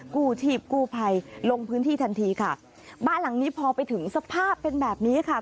กู้ชีพกู้ภัยลงพื้นที่ทันทีค่ะบ้านหลังนี้พอไปถึงสภาพเป็นแบบนี้ค่ะ